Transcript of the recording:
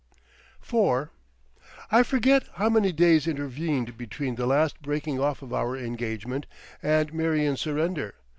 IV I forget how many days intervened between that last breaking off of our engagement and Marion's surrender.